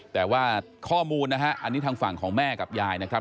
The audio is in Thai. แต่ว่าข้อมูลนะฮะอันนี้ทางฝั่งของแม่กับยายนะครับ